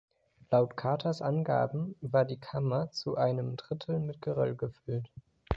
Laut Carters Angaben war die Kammer zu einem Drittel mit Geröll gefüllt.